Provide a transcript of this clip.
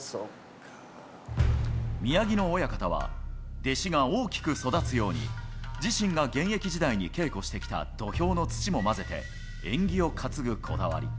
宮城野親方は弟子が大きく育つように、自身が現役時代に稽古してきた土俵の土も混ぜて、縁起を担ぐこだわり。